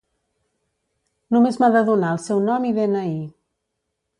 Només m'ha de donar el seu nom i de-ena-i.